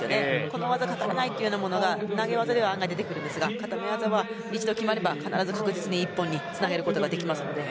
この技固めないというものが投げ技では出てくるんですが固め技は一度決まれば確実に一本につなげることができますので。